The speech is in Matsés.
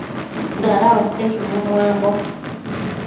Dadauate shubu nuambo